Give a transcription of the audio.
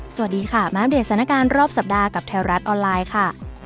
สวัสดีค่ะมาอัปเดตสถานการณ์รอบสัปดาห์กับแถวรัฐออนไลน์ค่ะ